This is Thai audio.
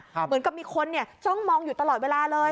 เหมือนกับมีคนจ้องมองอยู่ตลอดเวลาเลย